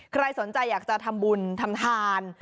ใครสนใจอยากจะทำบุญทำทาน